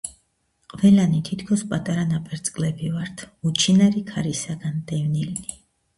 “ყველანი თითქოს პატარა ნაპერწკლები ვართ, უჩინარი ქარისაგან დევნილნი.”